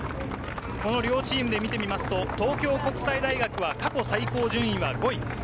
両チームで見ると東京国際大学は過去最高順位は５位。